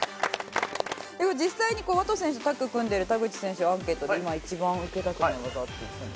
実際にワト選手とタッグを組んでいる田口選手がアンケートで今一番受けたくない技って。